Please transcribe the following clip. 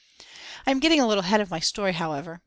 I am getting a little ahead of my story, however.